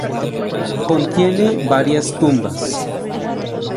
Contiene varias tumbas.